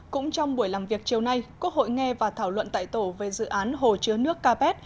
cũng trong buổi làm việc chiều nay quốc hội nghe và thảo luận tại tổ về dự án hồ chứa nước capet